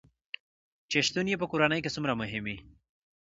چې شتون يې په کورنے کې څومره مهم وي